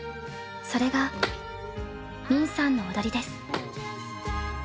それが泯さんの踊りです。